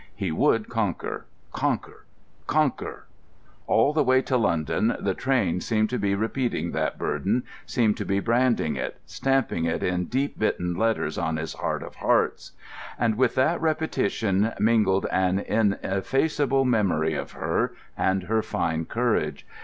He would conquer—conquer—conquer. All the way to London the train seemed to be repeating that burden, seemed to be branding it, stamping it in deep bitten letters on his heart of hearts. And with that repetition mingled an ineffaceable memory of her and her fine courage.